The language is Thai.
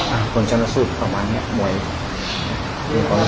อ่าวก่อนจะรสสูตรประมาณเนี้ยเมาะ